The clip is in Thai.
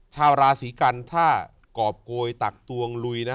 ชาวราศีกันถ้ากรอบโกยตักตวงลุยนะ